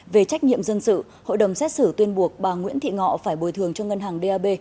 về trách nhiệm dân sự hội đồng xét xử tuyên buộc bà nguyễn thị ngọ phải bồi thường cho ngân hàng dap